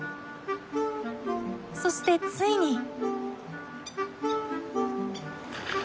そしてついに。